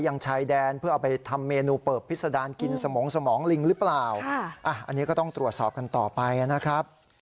ยังชายแดนเพื่อเอาไปทำเมนูเปิบพิษดารกินสมงสมองลิงหรือเปล่าอันนี้ก็ต้องตรวจสอบกันต่อไปนะครับ